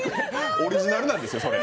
オリジナルなんですよ。